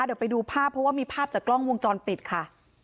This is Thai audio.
เดี๋ยวไปดูภาพเพราะว่ามีภาพจากกล้องวงจรปิดค่ะ